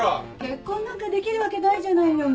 ・結婚なんかできるわけないじゃないのよ。